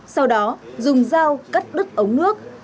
sau đó dùng dao cắt đứt ống nước